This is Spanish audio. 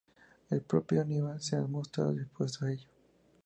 El propio Aníbal se ha mostrado dispuesto a ello.